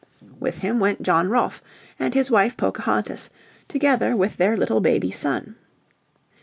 With him went John Rolfe and his wife Pocahontas, together with their little baby son.